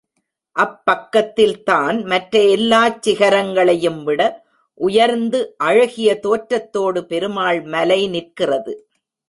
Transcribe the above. அப்பக்கத்தில் தான் மற்ற எல்லாச் சிகரங்களையும்விட உயர்ந்து அழகிய தோற்றத்தோடு பெருமாள் மலை நிற்கிறது.